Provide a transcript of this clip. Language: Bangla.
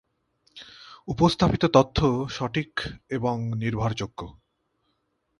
উপস্থাপিত তথ্য সঠিক এবং নির্ভরযোগ্য।